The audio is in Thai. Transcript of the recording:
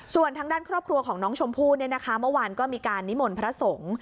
ส่วนทางด้านครอบครัวของน้องชมพู่เนี่ยนะคะเมื่อวานก็มีการนิมนต์พระสงฆ์